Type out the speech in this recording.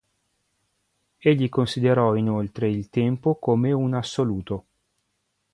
Egli considerò, inoltre, il tempo come un assoluto.